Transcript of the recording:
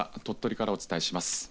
鳥取からお伝えします。